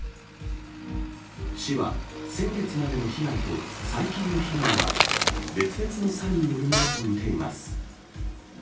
市は、先月までの被害と最近の被害は別々の猿によるものと見ています。